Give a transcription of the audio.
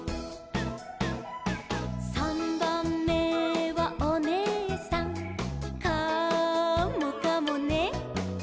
「さんばんめはおねえさん」「カモかもね」